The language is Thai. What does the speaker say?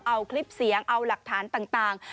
เอาคลิปเสียงเอาหลักฐานต่าง